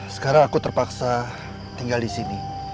sekarang aku terpaksa tinggal disini